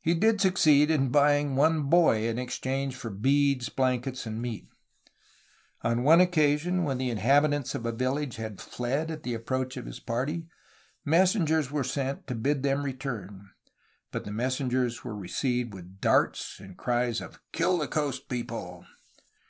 He did succeed in buying one boy in exchange for beads, blankets, and meat. On one occasion when the inhabitants of a village had fled at the approach of his party, messengers were sent to bid them return, but the mes sengers were received with darts and cries of "Kill the coast people!"